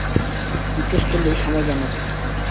জিজ্ঞেস করলেই সময় জানা যায়।